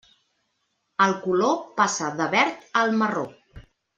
El color passa de verd al marró.